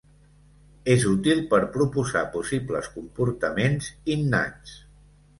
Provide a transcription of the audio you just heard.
És útil per proposar possibles comportaments innats.